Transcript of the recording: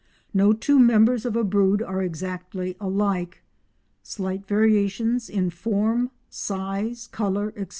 No two members of a brood are exactly alike; slight variations in form, size, colour, etc.